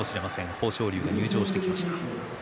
豊昇龍が入場してきました。